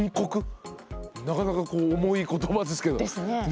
なかなかこう重い言葉ですけど。ですね。